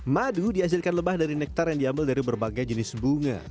madu dihasilkan lebah dari nektar yang diambil dari berbagai jenis bunga